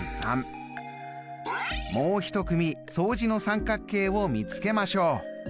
もう一組相似の三角形を見つけましょう。